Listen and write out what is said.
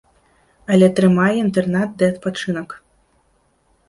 Але трымае інтэрнат ды адпачынак.